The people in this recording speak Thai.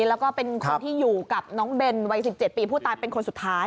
แล้วก็เป็นคนที่อยู่กับน้องเบนวัย๑๗ปีผู้ตายเป็นคนสุดท้าย